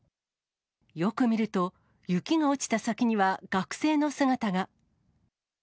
よく見ると、雪が落ちた先には学生の姿が。